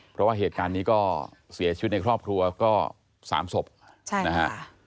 เพราะว่าเหตุการณ์นี้ก็เสียชีวิตในครอบครัวก็๓ศพนะฮะ